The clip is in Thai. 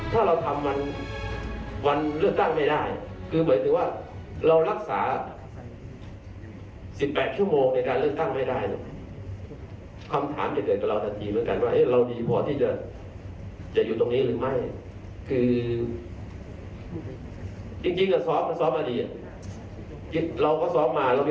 ทำได้นี่๔ครั้ง